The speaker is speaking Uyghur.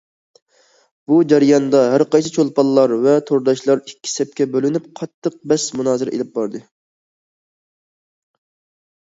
بۇ جەرياندا ھەرقايسى چولپانلار ۋە تورداشلار ئىككى سەپكە بۆلۈنۈپ قاتتىق بەس- مۇنازىرە ئېلىپ باردى.